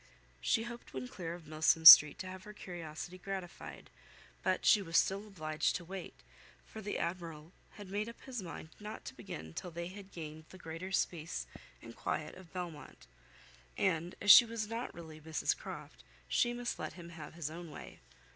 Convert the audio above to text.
She hoped when clear of Milsom Street to have her curiosity gratified; but she was still obliged to wait, for the Admiral had made up his mind not to begin till they had gained the greater space and quiet of Belmont; and as she was not really Mrs Croft, she must let him have his own way.